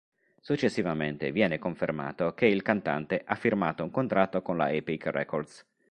Successivamente viene confermato che il cantante ha firmato un contratto con la Epic Records.